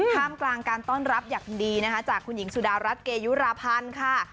ท่ามกลางการต้อนรับอย่างดีนะคะจากคุณหญิงสุดารัฐเกยุราพันธ์ค่ะ